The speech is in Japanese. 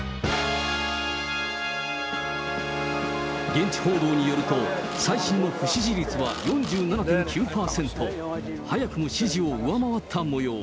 現地報道によると、最新の不支持率は４７．９％、早くも支持を上回ったもよう。